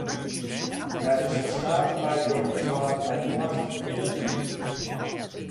Neffens ferskate meiwurkers waard mei klachten neat dien.